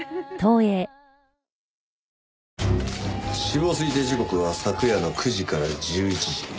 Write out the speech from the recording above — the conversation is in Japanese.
死亡推定時刻は昨夜の９時から１１時。